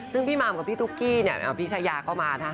ซึ่งพี่มามกับพี่ตุ๊กกี้เนี่ยพี่ชายาก็มานะคะ